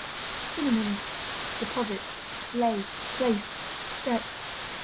Synonyms: deposit, lay, place, set.